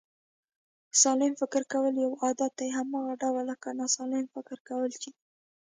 سالم فکر کول یو عادت دی، هماغه ډول لکه ناسلم فکر کول چې دی